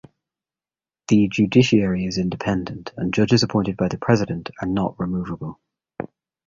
The judiciary is independent, and judges appointed by the president are not removable.